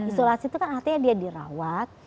isolasi itu kan artinya dia dirawat